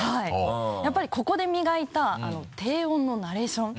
やっぱりここで磨いたあの低音のナレーション。